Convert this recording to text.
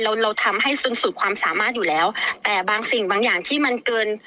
เราเราทำให้ซึงสุดความสามารถอยู่แล้วแต่บางสิ่งบางอย่างที่มันเกิน